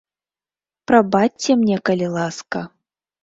Прабачце мне, калі ласка.